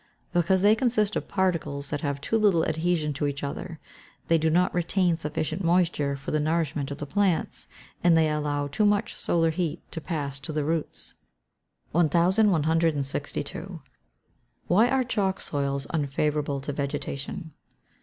_ Because they consist of particles that have too little adhesion to each other; they do not retain sufficient moisture for the nourishment of the plants; and they allow too much solar heat to pass to the roots. 1162. _Why are chalk soils unfavourable to vegetation?